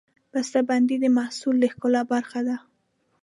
بستهبندي د محصول د ښکلا برخه ده.